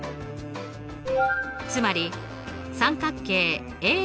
つまり三角形Ａ